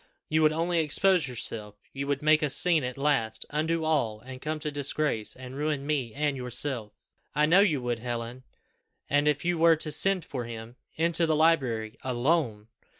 You would only expose yourself. You would make a scene at last undo all, and come to disgrace, and ruin me and yourself. I know you would, Helen. And if you were to send for him into the library alone!